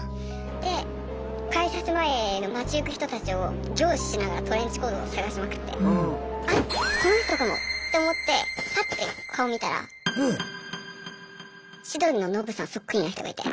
で改札前の街行く人たちを凝視しながらトレンチコートを探しまくってあっこの人かもって思ってパッて顔見たら千鳥のノブさんそっくりな人がいて。